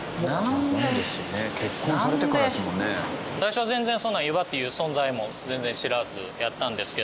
最初は全然湯葉っていう存在も全然知らずやったんですけど。